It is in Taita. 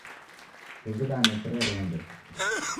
Kuzighane kirerende